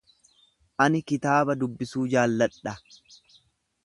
Ani kitaaba dubbisuu jaalladha.